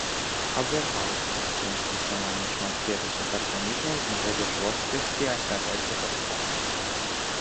Абвяргалася магчымасць існавання шматклетачных арганізмаў з нагоды жорсткасці асяроддзя пражывання.